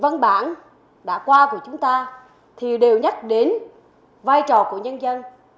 văn bản đã qua của chúng ta thì đều nhắc đến vai trò của nhân dân